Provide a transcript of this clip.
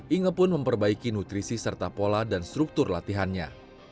inge pun memperbaiki nutrisi serta pola dan struktur latihannya